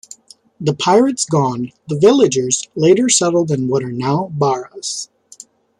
The pirates gone, the villagers later settled in what are now Baras.